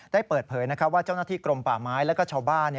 ได้เปิดเผยว่าเจ้าหน้าที่กรมป่าไม้และชาวบ้าน